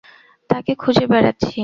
তাঁকে খুঁজে বেড়াচ্ছি।